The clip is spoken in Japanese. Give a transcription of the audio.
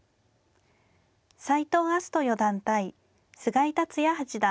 斎藤明日斗四段対菅井竜也八段。